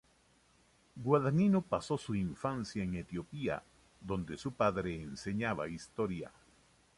Guadagnino pasó su infancia en Etiopía, donde su padre enseñaba Historia.